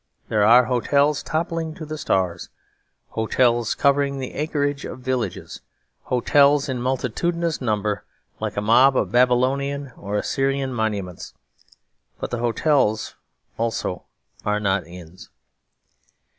There are hotels toppling to the stars, hotels covering the acreage of villages, hotels in multitudinous number like a mob of Babylonian or Assyrian monuments; but the hotels also are not inns.